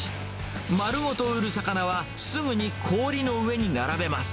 丸ごと売る魚は、すぐに氷の上に並べます。